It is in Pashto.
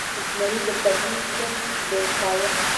زمري د پټي کونج بیل کاوه.